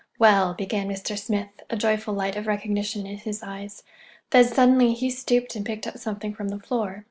"Well—" began Mr. Smith, a joyful light of recognition in his eyes. Then suddenly he stooped and picked up something from the floor.